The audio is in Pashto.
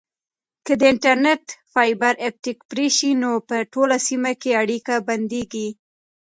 که د انټرنیټ فایبر اپټیک پرې شي نو په ټوله سیمه کې اړیکه بندیږي.